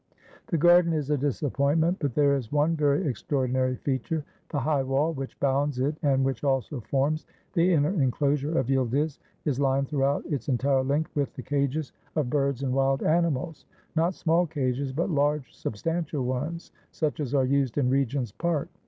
The garden is a disappointment, but there is one very extraordinary feature. The high wall which bounds it and which also forms the inner inclosure of Yildiz is lined throughout its entire length with the cages of birds and wild animals, — not small cages, but large substantial ones such as are used in Regent's Park.